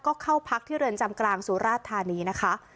ก็เข้าพักที่เรือนจำกลางสุราชธานีนะคะ